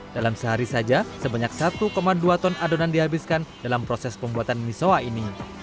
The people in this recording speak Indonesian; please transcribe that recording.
dalam sehari saja sebanyak satu dua ton adonan dihabiskan dalam proses pembuatan misoa ini